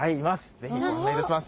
是非ご案内いたします。